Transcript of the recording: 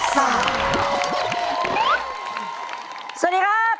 สวัสดีครับ